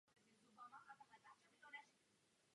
Jen tak tak se mu pak podaří potají utéct před Viktorem.